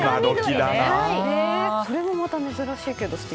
それもまた珍しいけど素敵。